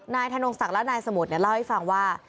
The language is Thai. ธนงศักดิ์และนายสมุทรเล่าให้ฟังว่า